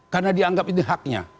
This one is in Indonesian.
karena dianggap itu haknya